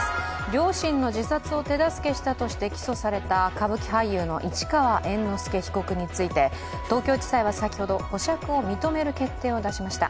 両親の自殺を手助けしたとして起訴された歌舞伎俳優の市川猿之助被告について東京地裁は先ほど、保釈を認める決定を出しました。